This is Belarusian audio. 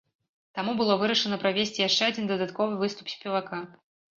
Таму было вырашана правесці яшчэ адзін дадатковы выступ спевака.